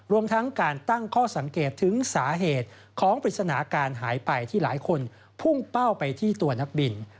รวมทั้งการตั้งข้อสังเกตถึงสาเหตุของปริศนาการหายไปที่หลายคนพุ่งเป้าไปที่ตัวนักบิน